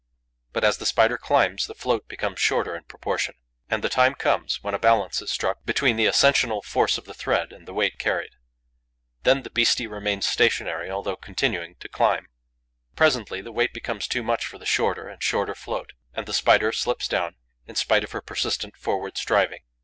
But, as the Spider climbs, the float becomes shorter in proportion; and the time comes when a balance is struck between the ascensional force of the thread and the weight carried. Then the beastie remains stationary, although continuing to climb. Presently, the weight becomes too much for the shorter and shorter float; and the Spider slips down, in spite of her persistent, forward striving.